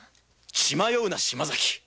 血迷うな島崎。